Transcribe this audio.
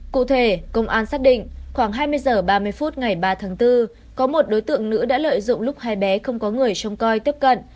cụ thể công an xác định khoảng hai mươi h ba mươi phút ngày ba tháng bốn có một đối tượng nữ đã lợi dụng lúc hai bé không có người trông coi tiếp cận